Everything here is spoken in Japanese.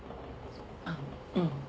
あっうん。